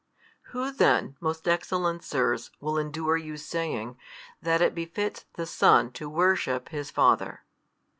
Who then, most excellent sirs, will endure you saying, that it befits the Son to worship His Father?